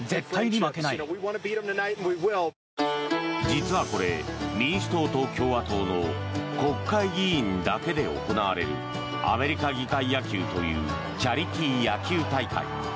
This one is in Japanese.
実はこれ、民主党と共和党の国会議員だけで行われるアメリカ議会野球というチャリティー野球大会。